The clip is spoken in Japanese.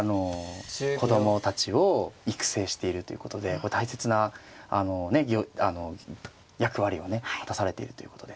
子供たちを育成しているということで大切な役割をね果たされているということで。